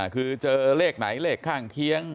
คือเจอเลขไหนเลขข้างเคียง